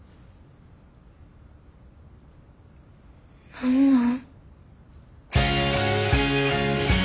何なん？